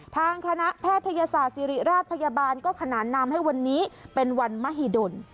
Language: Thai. ทางคณะแพทยศาสตร์ศิริราชพยาบาลก็ขนานนามให้วันนี้เป็นวันมหิดล